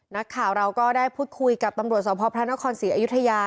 นักข่าวเราก็ได้พูดคุยกับตำรวจสพพระนครศรีอยุธยา